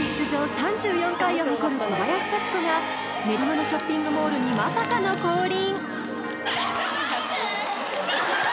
３４回を誇る小林幸子が練馬のショッピングモールにまさかの降臨！